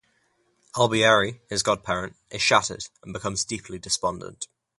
Albieri, his godparent, is shattered and becomes deeply despondent.